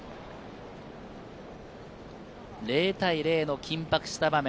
０対０の緊迫した場面。